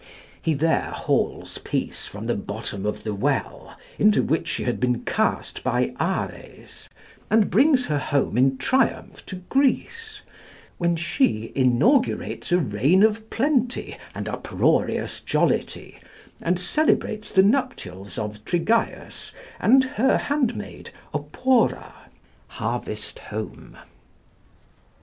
He there hauls Peace from the bottom of the well into which she had been cast by Ares, and brings her home in triumph to Greece, when she inaugurates a reign of plenty and uproarious jollity, and celebrates the nuptials of Trygæus and her handmaid Opora (Harvest home).